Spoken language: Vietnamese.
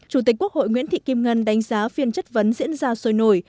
chủ tịch quốc hội nguyễn thị kim ngân đánh giá phiên chất vấn diễn ra sôi nổi